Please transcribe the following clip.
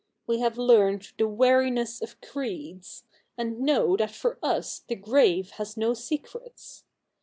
We have learned the weariness of creeds ; and know that for us the grave has no secrets.